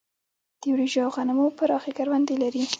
د وريجو او غنمو پراخې کروندې لري.